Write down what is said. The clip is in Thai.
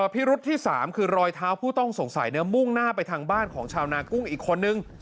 พิรุษที่๓คือรอยเท้าผู้ต้องสงสัยมุ่งหน้าไปทางบ้านของชาวนากุ้งอีกคนนึง